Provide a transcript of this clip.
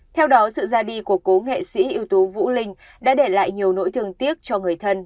theo đó sự ra đi của cố nghệ sĩ ưu tú vũ linh đã để lại nhiều nỗi thương tiếc cho người thân